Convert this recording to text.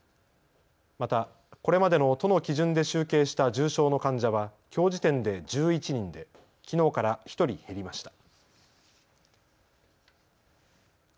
またこれまでの都の基準で集計した重症の患者はきょう時点で１１人できのうから１人減りました。